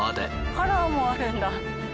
カラーもあるんだ！